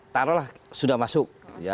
taruhlah sudah masuk